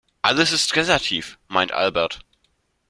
Alles ist relativ, meint Albert.